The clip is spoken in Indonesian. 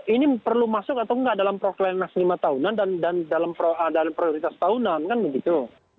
ini perlu masuk atau enggak dalam proklamasi lima tahunan dan dalam prioritas tahunan kan begitu